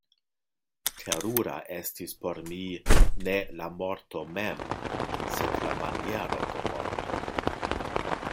Terura estis por mi ne la morto mem, sed la maniero de morto.